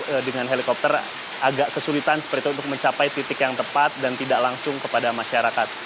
yang menggunakan helikopter agak kesulitan untuk mencapai titik yang tepat dan tidak langsung kepada masyarakat